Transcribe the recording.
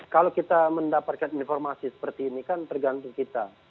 kalau kita mendapatkan informasi seperti ini kan tergantung kita